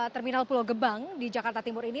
terminal pulau gebang di jakarta timur ini